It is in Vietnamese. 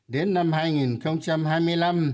đến năm hai nghìn hai mươi năm